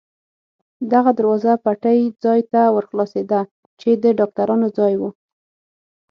دغه دروازه پټۍ ځای ته ور خلاصېده، چې د ډاکټرانو ځای و.